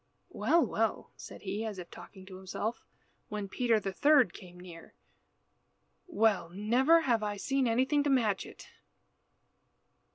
"Well, well," said he, as if talking to himself, when Peter the third came near. "Well! never before have I seen anything to match it."